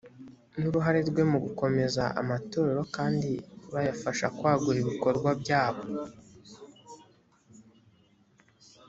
ni uruhare rwe mu gukomeza amatorero kandi bayafasha kwagura ibikorwa byayo